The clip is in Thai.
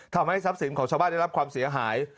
ทำให้ทรัพย์สินของชาวบ้านได้รับความเสียหาย